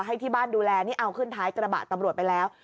ให้ที่บ้านดูแลนี่เอาขึ้นท้ายกระบะตำรวจไปแล้ว